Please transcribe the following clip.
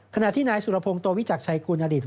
ขณะที่นายสุรพงศ์โตวิจักรชัยกูลอดิต